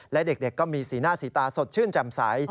และเด็กก็มีสีหน้าสีตาสดชื่นแจ่มใส